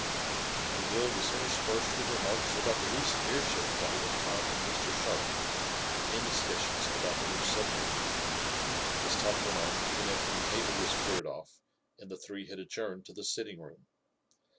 The meal was interspersed with remarks about the recent airship flight of Tom and Mr. Sharp, and discussions about the new submarine. This talk went on even after the table was cleared off and the three had adjourned to the sitting room.